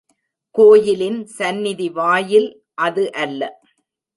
கோயிலின் சந்நிதி வாயில் அது அல்ல.